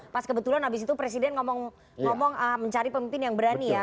pas kebetulan habis itu presiden ngomong mencari pemimpin yang berani ya